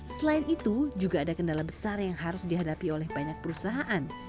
selain itu juga ada kendala besar yang harus dihadapi oleh banyak perusahaan